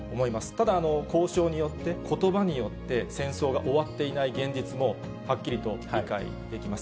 ただ、交渉によって、ことばによって、戦争が終わっていない現実もはっきりと理解できます。